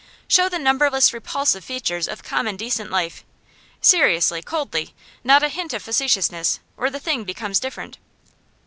Show the numberless repulsive features of common decent life. Seriously, coldly; not a hint of facetiousness, or the thing becomes different.